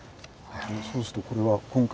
そうするとこれは今回の。